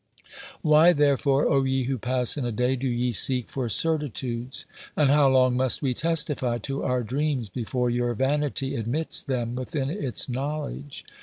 Why, therefore, O ye who pass in a day, do ye seek for certitudes, and how long must we testify to our dreams before your vanity admits them within its knowledge